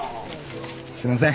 すみません！